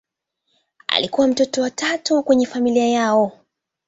Alikuwa mtoto wa tatu kwenye familia yao.